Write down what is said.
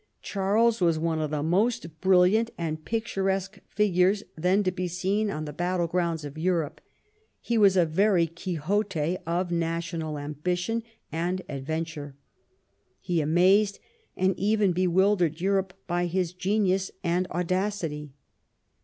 Charles was one of the most brilliant and pict uresque figures then to be seen on the battle fields of 46 WHAT THE QUEEN CAME TO— ABROAD Europe. He was a very Quixote of national ambition and adventure. He amazed and even bewildered Europe by his genius and audacity.